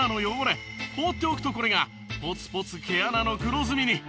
放っておくとこれがポツポツ毛穴の黒ずみに。